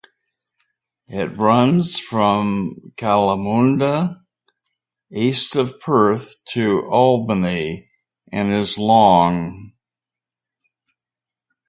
It runs from Kalamunda, east of Perth to Albany and is long.